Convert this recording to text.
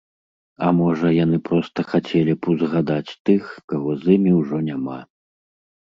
А можа, яны проста хацелі б узгадаць тых, каго з імі ўжо няма.